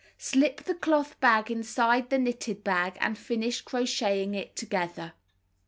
Slip the cloth bag inside the knitted bag and finish crocheting it together.